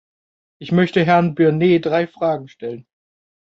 Ich möchte Herrn Byrne drei Fragen stellen.